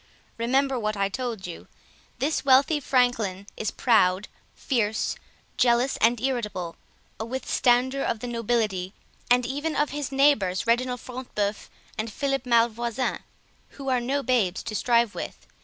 Remember what I told you: this wealthy franklin is proud, fierce, jealous, and irritable, a withstander of the nobility, and even of his neighbors, Reginald Front de Bœuf and Philip Malvoisin, who are no babies to strive with.